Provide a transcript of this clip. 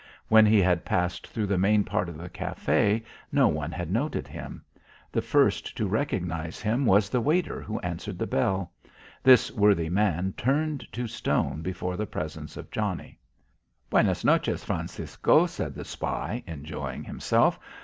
When he had passed through the main part of the café no one had noted him. The first to recognise him was the waiter who answered the bell. This worthy man turned to stone before the presence of Johnnie. "Buenos noche, Francisco," said the spy, enjoying himself.